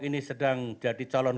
ini sedang jadi calon